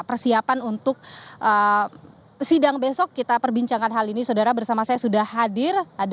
persiapan untuk sidang besok kita perbincangkan hal ini saudara bersama saya sudah hadir